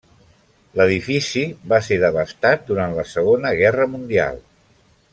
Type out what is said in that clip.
L'edifici va ser devastat durant la Segona Guerra Mundial.